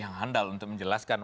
yang handal untuk menjelaskan